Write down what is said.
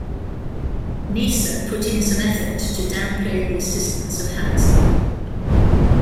Neisser put in some effort to downplay the assistance of Hansen.